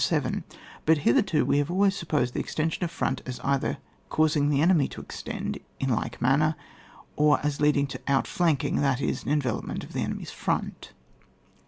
But hitherto we have always sup posed the extension of front as eittier causing the enemy to extend, in like man ner, or as leading to outflanking^ that is, to an envelopment of the enemy's front.